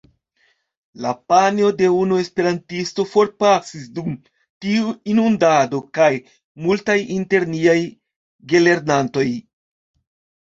La panjo de unu esperantisto forpasis dum tiu inundado, kaj multaj inter niaj gelernantoj.